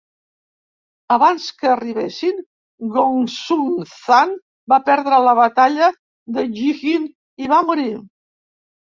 Abans que arribessin, Gongsun Zan va perdre la batalla de Yijing i va morir.